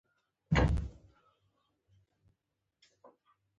د پنبې کښت په کومو ولایتونو کې ښه دی؟